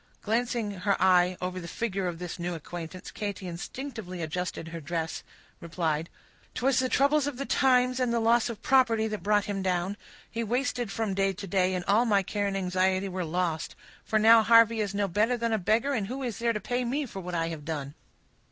Glancing her eye over the figure of this new acquaintance, Katy instinctively adjusting her dress, replied,— "'Twas the troubles of the times, and the loss of property, that brought him down; he wasted from day to day, and all my care and anxiety were lost; for now Harvey is no better than a beggar, and who is there to pay me for what I have done?"